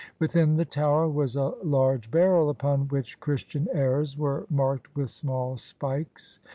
Within the tower was a large barrel upon which Christian airs were marked with small spikes.